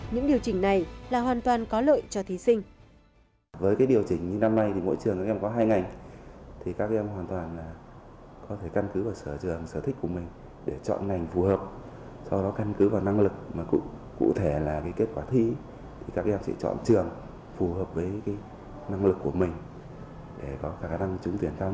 những điều chỉnh này là hoàn toàn có lợi cho thí sinh